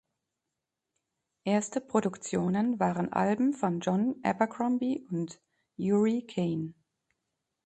Erste Produktionen waren Alben von John Abercrombie und Uri Caine.